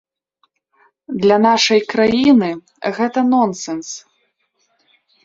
Для нашай краіны гэта нонсэнс.